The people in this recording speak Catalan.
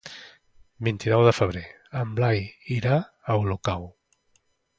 El vint-i-nou de febrer en Blai irà a Olocau.